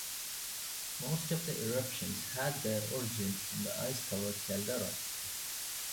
Most of the eruptions had their origin in the ice covered caldera.